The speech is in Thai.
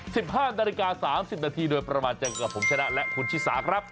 สิบห้านาฬิกาสามสิบนาทีโดยประมาณเจอกับผมชนะและคุณชิสาครับ